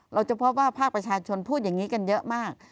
เฉพาะภาคประชาชนพูดอย่างนี้กันเยอะมาก